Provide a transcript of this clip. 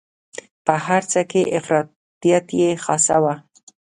په هر څه کې افراطیت یې خاصه وه.